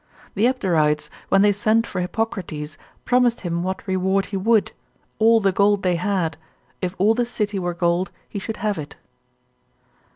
The Abderites, when they sent for Hippocrates, promised him what reward he would, all the gold they had, if all the city were gold he should have it.